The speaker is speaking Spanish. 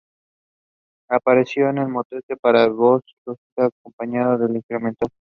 Apareció el motete para voz solista, con acompañamiento instrumental.